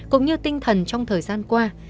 cũng như tinh thần trong thời gian qua